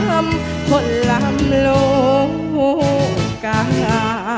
ทำคนลำโลกา